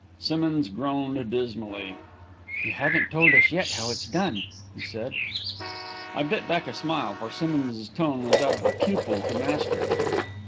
Simmonds groaned dismally. "You haven't told us yet how it's done," he said. I bit back a smile, for Simmonds's tone was that of pupil to master.